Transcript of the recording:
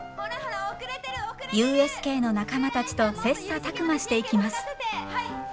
ＵＳＫの仲間たちと切磋琢磨していきます。